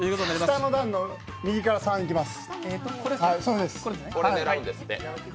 下の段の右から３いきます。